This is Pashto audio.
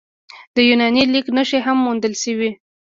د یوناني لیک نښې هم موندل شوي